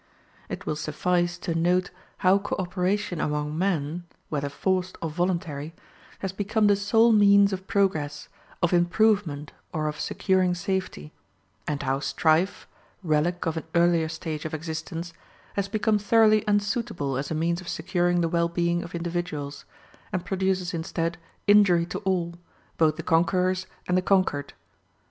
It will suffice to note how co operation among men (whether forced or voluntary) has become the sole means of progress, of improvement or of securing safety; and how strife relic of an earlier stage of existence has become thoroughly unsuitable as a means of securing the well being of individuals, and produces instead injury to all, both the conquerors and the conquered.